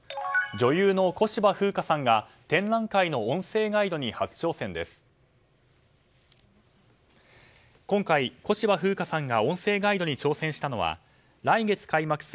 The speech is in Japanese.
女優の小芝風花さんが展覧会の音声ガイドに初挑戦です。